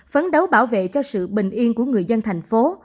phấn đấu bảo vệ cho sự bình yên của người dân thành phố